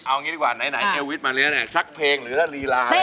เอางี้ดีกว่าไหนเอวิทมาแล้วเนี่ยสักเพลงหรือว่าลีลา